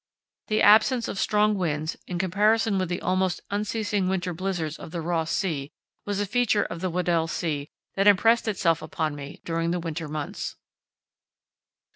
The absence of strong winds, in comparison with the almost unceasing winter blizzards of the Ross Sea, was a feature of the Weddell Sea that impressed itself upon me during the winter months.